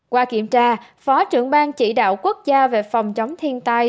qua kiểm tra phó trưởng ban chỉ đạo quốc gia về phòng chống thiên tai